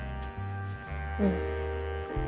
うん。